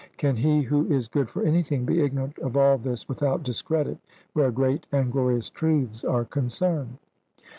Can he who is good for anything be ignorant of all this without discredit where great and glorious truths are concerned?